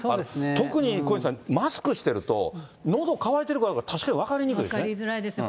特にマスクしていると、のど渇いているかどうか確かに分かりにくいですね。